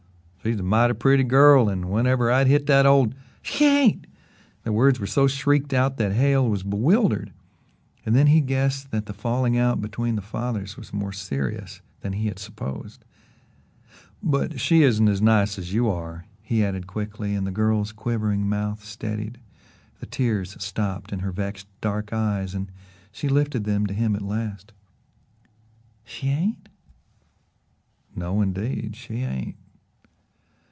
"She's a mighty pretty girl, and whenever I'd hit that old " "She hain't!" the words were so shrieked out that Hale was bewildered, and then he guessed that the falling out between the fathers was more serious than he had supposed. "But she isn't as nice as you are," he added quickly, and the girl's quivering mouth steadied, the tears stopped in her vexed dark eyes and she lifted them to him at last. "She ain't?" "No, indeed, she ain't."